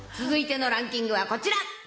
続いてのランキングはこちら。